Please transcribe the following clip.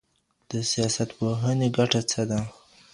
د سیاستپوهنې ګټه څه ده؟